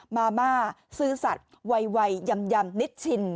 มาม่าซื่อสัตว์ไวยำนิดชิน